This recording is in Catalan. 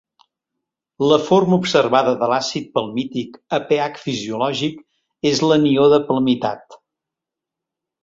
La forma observada de l'àcid palmític a pH fisiològic és l'anió de palmitat.